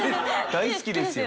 大好きですよ。